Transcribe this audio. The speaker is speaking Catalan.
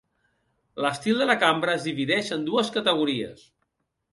L'estil de la cambra es divideix en dues categories.